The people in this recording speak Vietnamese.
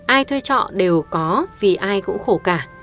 ai thuê trọ đều có vì ai cũng khổ cả